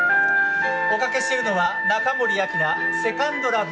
おかけしているのは中森明菜、「セカンド・ラブ」